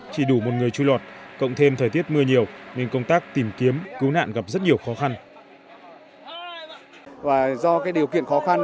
chỉ đủ một người chui lọt cộng thêm thời tiết mưa nhiều nên công tác tìm kiếm cứu nạn gặp rất nhiều khó khăn